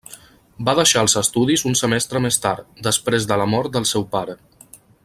Va deixar els estudis un semestre més tard, després de la mort del seu pare.